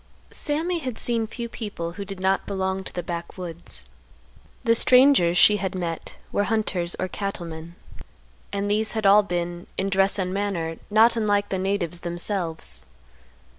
Sammy had seen few people who did not belong to the backwoods. The strangers she had met were hunters or cattlemen, and these had all been, in dress and manner, not unlike the natives themselves.